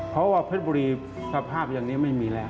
เพราะว่าเพชรบุรีสภาพอย่างนี้ไม่มีแล้ว